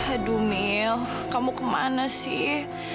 aduh mil kamu ke mana sih